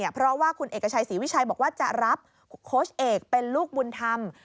เพราะว่าคุณเอกชัยศรีวิชัยบอกว่าจะรับโค้ชเอกเป็นลูกบุญธรรม